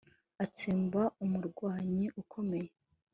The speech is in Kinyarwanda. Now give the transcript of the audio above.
atsemba umurwanyi ukomeye,